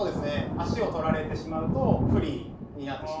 足を取られてしまうと不利になってしまうので。